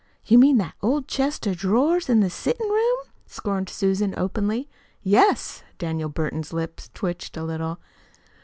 "You mean that old chest of drawers in the settin' room?" scorned Susan openly. "Yes." Daniel Burton's lips twitched a little.